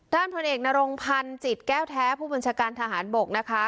พลเอกนรงพันธ์จิตแก้วแท้ผู้บัญชาการทหารบกนะคะ